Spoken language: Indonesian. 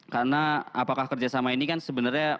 karena apakah kerja sama ini kan sebenarnya